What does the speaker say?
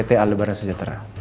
di albaran sejahtera